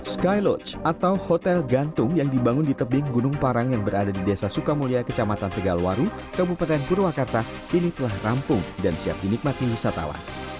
skyloge atau hotel gantung yang dibangun di tebing gunung parang yang berada di desa sukamulya kecamatan tegalwaru kabupaten purwakarta kini telah rampung dan siap dinikmati wisatawan